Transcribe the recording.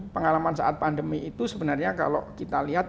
pengalaman saat pandemi itu sebenarnya kalau kita lihat